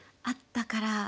あったから。